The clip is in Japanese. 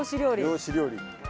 漁師料理。